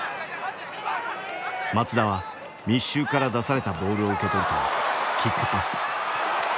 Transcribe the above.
松田は密集から出されたボールを受け取るとキックパス。